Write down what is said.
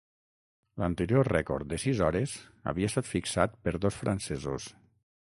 L'anterior rècord de sis hores havia estat fixat per dos francesos.